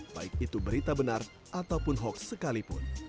tentu berita benar ataupun hoaks sekalipun